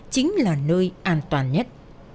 chính là nơi an toàn nhất